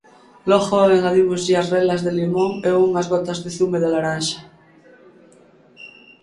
Logo engadímoslle as relas de limón e unhas gotas de zume de laranxa.